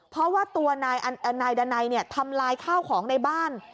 เพราะว่าตัวนายดานัยทำลายข้าวของในบ้าน